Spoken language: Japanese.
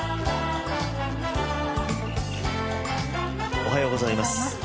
おはようございます。